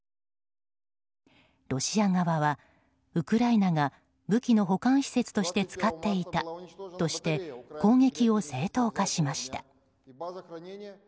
ロシア側は、ウクライナが武器の保管施設として使っていたとして攻撃を正当化しました。